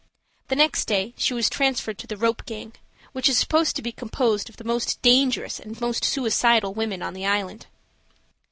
The next day she was transferred to the "rope gang," which is supposed to be composed of the most dangerous and most suicidal women on the island.